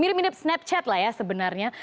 mirip mirip snapchat lah ya sebenarnya